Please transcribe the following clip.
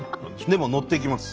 でものっていきます。